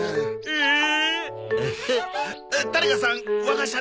ええ。